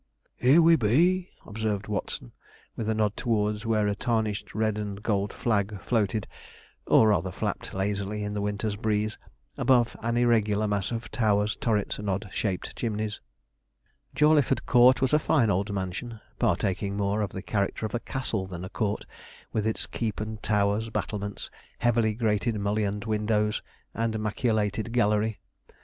'Here we be,' observed Watson, with a nod towards where a tarnished red and gold flag, floated, or rather flapped lazily in the winter's breeze, above an irregular mass of towers, turrets, and odd shaped chimneys. Jawleyford Court was a fine old mansion, partaking more of the character of a castle than a Court, with its keep and towers, battlements, heavily grated mullioned windows, and machicolated gallery.